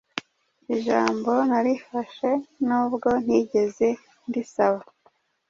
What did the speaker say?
Ijambo narifashe nubwo ntigeze ndisaba